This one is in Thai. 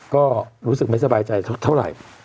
ก็รู้สึกไม่สบายใจเท่าไหร่